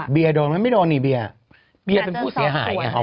เบียร์โดนไหมไม่โดนไหมเบียร์แหละเป็นผู้เสียหายไงพูดสาวสวย